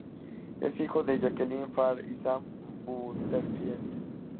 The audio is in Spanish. Es hijo de Jacqueline Farr y Sam Butterfield.